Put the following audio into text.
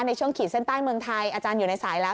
ขีดเส้นใต้เมืองไทยอาจารย์อยู่ในสายแล้ว